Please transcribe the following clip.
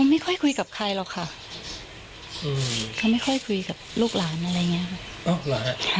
ไม่ค่อยคุยกับใครหรอกค่ะเขาไม่ค่อยคุยกับลูกหลานอะไรอย่างเงี้ยค่ะ